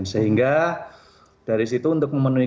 sehingga dari situ untuk memenuhi